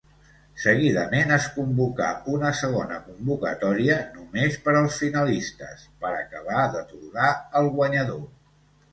Seguidament, es convocà una segona convocatòria, només per als finalistes, per acabar d'atorgar el guanyador.